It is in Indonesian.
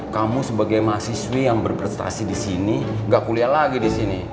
kamu sebagai mahasiswi yang berprestasi disini gak kuliah lagi disini